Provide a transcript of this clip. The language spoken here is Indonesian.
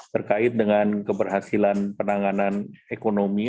terkait dengan keberhasilan penanganan ekonomi